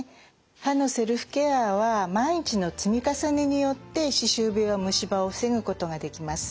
歯のセルフケアは毎日の積み重ねによって歯周病や虫歯を防ぐことができます。